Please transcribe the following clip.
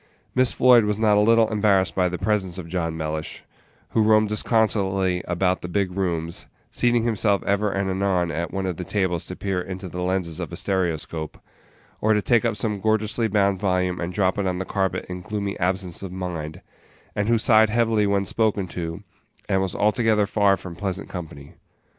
Miss Floyd was not a little embarrassed by the presence of John Mellish, who roamed disconsolately about the big rooms, seating himself ever and anon at one of the tables to peer into the lenses of a stereoscope, or to take up some gorgeously bound volume and drop it on the carpet in gloomy absence of mind, and who sighed heavily when spoken to, and was altogether far from pleasant company.